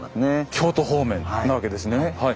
京都方面なわけですねはい。